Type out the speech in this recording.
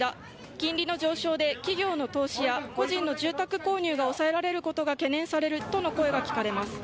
金利の上昇で企業の投資や個人の住宅購入が抑えられることが懸念されるとの声が聞こえます。